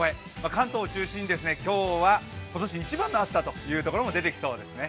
関東を中心に今日は今年一番の暑さという所も出てきそうですね。